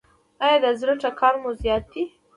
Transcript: ایا د زړه ټکان مو زیات دی؟